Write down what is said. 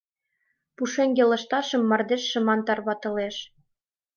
Пушеҥге лышташым мардеж шыман тарватылеш.